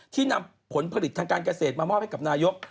นำผลผลิตทางการเกษตรมามอบให้กับนายก